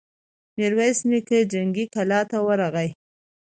ميرويس نيکه جنګي کلا ته ورغی.